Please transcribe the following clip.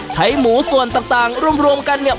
ใช้หมูส่วนต่างรวมกันเนี่ย